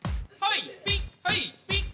ピッ！